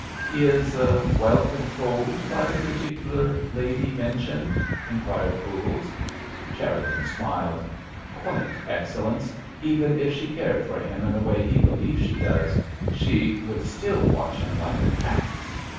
"He is well controlled by the particular lady mentioned?" inquired Voules. Cherriton smiled. "Quite, Excellence; even if she cared for him in the way he believes she does, she would still watch him like a cat."